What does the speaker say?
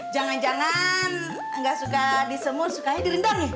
jangan jangan gak suka di semur sukanya di rendang ya